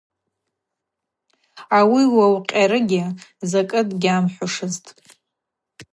Ауи уагӏвкъьарыгьи, закӏы дгьамхӏвушызтӏ.